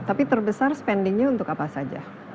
tapi terbesar spending nya untuk apa saja